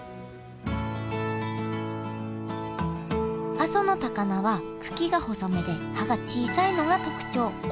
阿蘇の高菜は茎が細めで葉が小さいのが特徴。